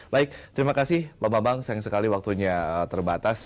baik terima kasih bapak bapak sayang sekali waktunya terbatas